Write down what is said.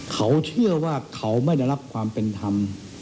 เขาเชื่อว่าเขาไม่ได้รับความเป็นธรรม